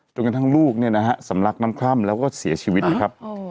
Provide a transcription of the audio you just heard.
จนกระทั่งลูกเนี่ยนะฮะสำลักน้ำคร่ำแล้วก็เสียชีวิตนะครับ